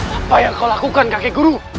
apa yang kau lakukan kaki guru